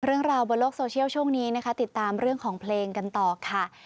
เรื่องราวบนโลกโซเชียลช่วงนี้นะคะติดตามเรื่องของเพลงกันต่อค่ะ